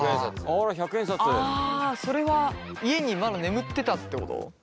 あそれは家にまだ眠ってたってこと？